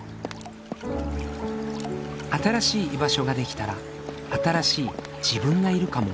新しい居場所ができたら新しい自分がいるかも？